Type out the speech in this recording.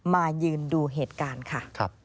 มายืนดูเหตุการณ์ค่ะ